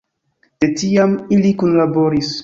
De tiam ili kunlaboris.